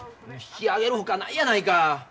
引き揚げるほかないやないか。